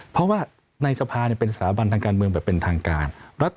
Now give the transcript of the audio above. เพราะว่าในสภาเป็นสถาบันทางการเมืองแบบเป็นทางการ